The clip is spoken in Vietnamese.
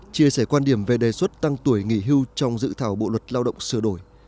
chia sẻ quan điểm về đề xuất tăng tuổi nghỉ hưu trong dự thảo bộ luật lao động sửa đổi